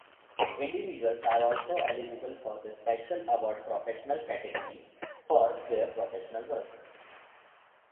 Individuals are also eligible for the Special Award-Professional category for their professional work.